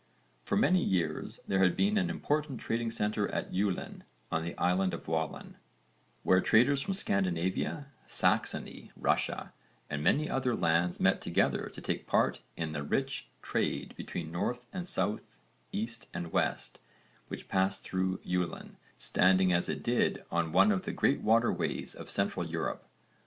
For many years there had been an important trading centre at Julin on the Island of Wollin, where traders from Scandinavia, Saxony, Russia and many other lands met together to take part in the rich trade between north and south, east and west, which passed through Julin, standing as it did on one of the great waterways of central Europe.